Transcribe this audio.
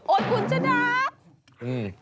โอ๊ดกุญชนัก